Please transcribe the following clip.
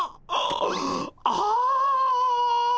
ああ。